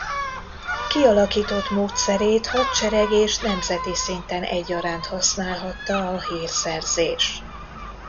Kialakított módszerét hadsereg és nemzeti szinten egyaránt használhatta a hírszerzés.